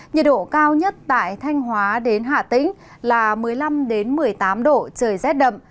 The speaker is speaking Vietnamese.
nhiệt độ cao nhất tại thanh hóa đến hạ tĩnh là một mươi năm một mươi tám độ trời rét đậm